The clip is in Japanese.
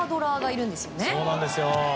そうなんですよ。